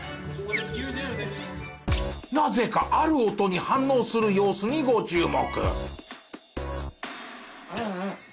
なぜかある音に反応する様子にご注目。